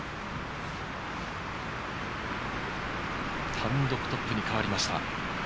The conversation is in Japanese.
単独トップに代わりました。